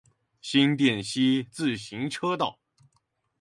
新店溪自行車道